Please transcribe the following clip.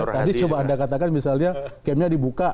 tadi coba anda katakan misalnya camp nya dibuka